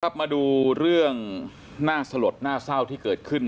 มาดูเรื่องน่าสลดน่าเศร้าที่เกิดขึ้น